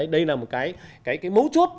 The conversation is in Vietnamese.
đây là một cái mấu chốt